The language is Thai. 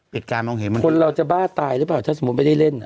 ปิดการบังเหตุมันดีกว่าคนเราจะบ้าตายหรือเปล่าถ้าสมมุติไม่ได้เล่น